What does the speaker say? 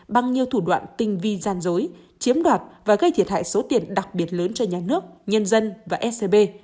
bằng nhiều thủ đoạn tinh vi gian dối chiếm đoạt và gây thiệt hại số tiền đặc biệt lớn cho nhà nước nhân dân và scb